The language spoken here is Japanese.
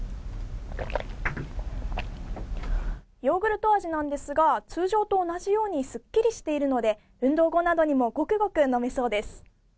ヨーグルト味なんですが通常と同じようにすっきりしているので運動後などにもごくごく飲めそうです。